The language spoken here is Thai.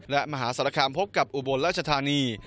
และมหาสารคามพบกับอุบลราชธานี